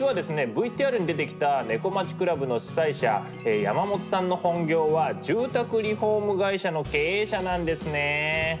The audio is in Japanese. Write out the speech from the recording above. ＶＴＲに出てきた「猫町倶楽部」の主宰者山本さんの本業は住宅リフォーム会社の経営者なんですね。